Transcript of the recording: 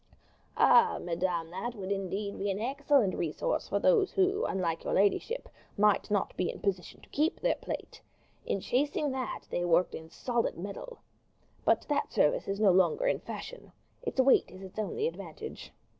"Ah! madame, that would indeed be an excellent resource for those who, unlike your ladyship, might not be in position to keep their plate. In chasing that they worked in solid metal. But that service is no longer in fashion. Its weight is its only advantage."